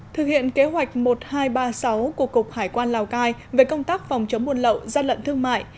thực hiện kế hoạch một nghìn hai trăm ba mươi sáu của cục hải quan lào cai về công tác phòng chống buôn lậu gian lận thương mại